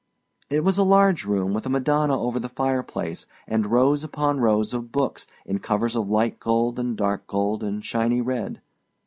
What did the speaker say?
It was a large room with a Madonna over the fireplace and rows upon rows of books in covers of light gold and dark gold and shiny red.